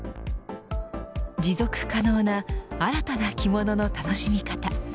持続可能な新たな着物の楽しみ方。